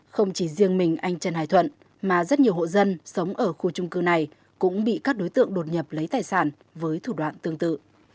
không chỉ riêng mình anh trần hải thuận mà rất nhiều hộ dân sống ở khu trung cư này cũng bị các đối tượng đột nhập lấy tài sản với thủ đoạn tương tự